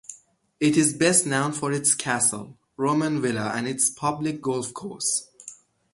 It is best known for its castle, Roman villa and its public golf course.